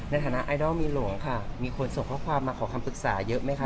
ในฐานะไอดอลมีหลวงค่ะมีคนส่งข้อความมาขอคำปรึกษาเยอะไหมคะ